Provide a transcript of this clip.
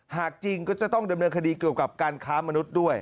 จริงก็จะต้องดำเนินคดีเกี่ยวกับการค้ามนุษย์ด้วย